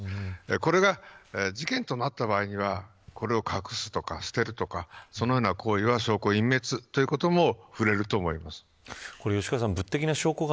これが事件となった場合にはこれを隠すとか、捨てるとかそのような行為は、証拠隠滅ということも触れると思います。